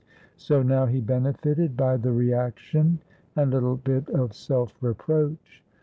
So now he benefited by the reaction and little bit of self reproach.